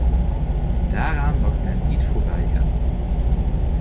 Daaraan mag men niet voorbijgaan.